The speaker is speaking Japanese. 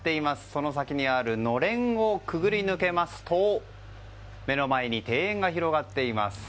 その先にあるのれんを潜り抜けますと目の前に庭園が広がっています。